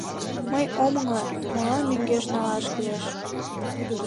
Мый ом ыҥле: молан мӧҥгеш налаш кӱлеш?